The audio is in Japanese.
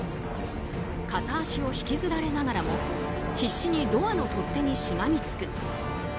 片足を引きずられながらも必死にドアの取っ手にしがみつく。